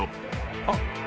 あっ！